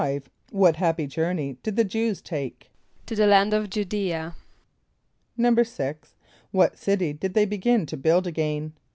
= What happy journey did the Jew[s+] take? =To the land of J[=u] d[=e]´[.a].= =6.= What city did they begin to build again?